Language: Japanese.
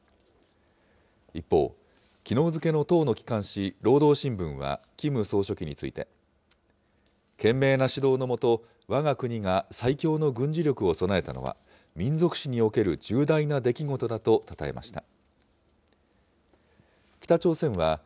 一方、きのう付けの党の機関紙、労働新聞は、キム総書記について、賢明な指導の下、わが国が最強の軍事力を備えたのは、民族史における重大な出来事だとたたえました。